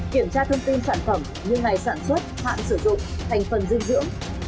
kiểm tra thông tin sản phẩm như ngày sản xuất hạn sử dụng thành phần dinh dưỡng